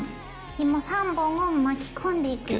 ひも３本を巻き込んでいくよ。